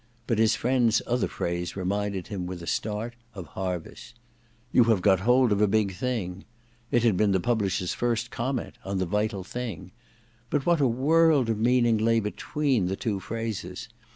But his friend's other phrase reminded him with a start of Harviss. * You have got hold of a big thing ' it had been the publisher's first comment on * The Vital Thing.* But what a world of meaning lay between the two phrases